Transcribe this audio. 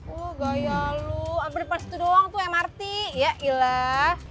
oh gaya lu ampir depan situ doang tuh mrt ya ilah